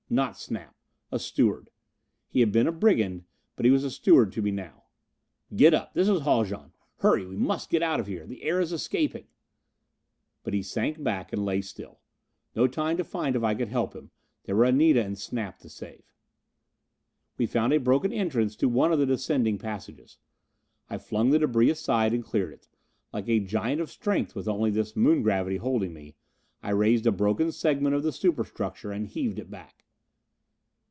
Not Snap! A steward. He had been a brigand, but he was a steward to me now. "Get up! This is Haljan. Hurry, we must get out of here. The air is escaping!" But he sank back and lay still. No time to find if I could help him: there were Anita and Snap to save. We found a broken entrance to one of the descending passages. I flung the debris aside and cleared it. Like a giant of strength with only this Moon gravity holding me, I raised a broken segment of the superstructure and heaved it back.